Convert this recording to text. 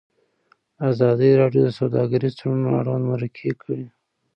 ازادي راډیو د سوداګریز تړونونه اړوند مرکې کړي.